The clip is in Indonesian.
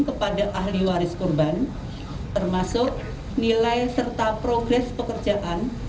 kepada ahli waris korban termasuk nilai serta progres pekerjaan